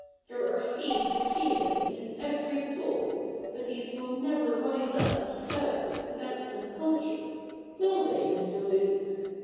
There are seeds of feeling in every soul, but these will never rise up into flowers without some culture — will they, Mr. Luke?